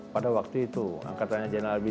pada waktu itu angkatannya jenderal abidin